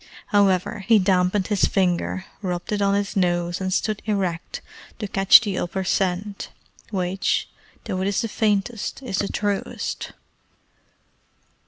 However, he dampened his finger, rubbed it on his nose, and stood erect to catch the upper scent, which, though it is the faintest, is the truest.